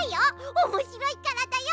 おもしろいからだよ。